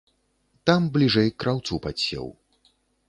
Там бліжэй к краўцу падсеў.